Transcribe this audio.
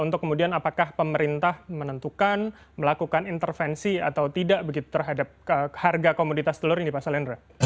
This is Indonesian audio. untuk kemudian apakah pemerintah menentukan melakukan intervensi atau tidak begitu terhadap harga komoditas telur ini pak salendra